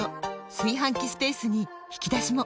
炊飯器スペースに引き出しも！